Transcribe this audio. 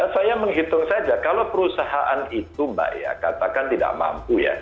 saya menghitung saja kalau perusahaan itu mbak ya katakan tidak mampu ya